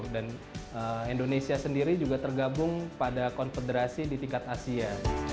dan indonesia sendiri juga tergabung pada konfederasi di tingkat asia